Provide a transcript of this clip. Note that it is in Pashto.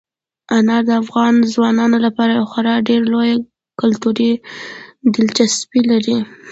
انار د افغان ځوانانو لپاره خورا ډېره لویه کلتوري دلچسپي لري.